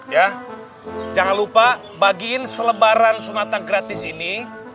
ya jangan lupa bagiin selebaran sunatan gratis ini